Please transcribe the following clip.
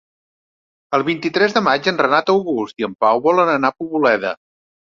El vint-i-tres de maig en Renat August i en Pau volen anar a Poboleda.